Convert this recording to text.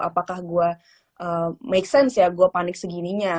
apakah gua make sense ya gua panik segininya